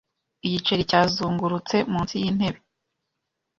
Igiceri cyazungurutse munsi yintebe .